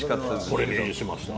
これにしました。